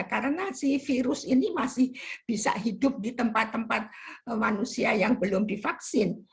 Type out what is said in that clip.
karena virus ini masih bisa hidup di tempat tempat manusia yang belum divaksin